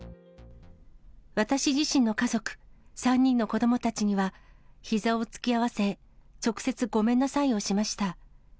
私自身の家族、３人の子どもたちには、ひざを突き合わせ、直接ごめんなさいをしました。